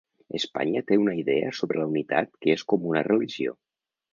Espanya té una idea sobre la unitat que és com una religió.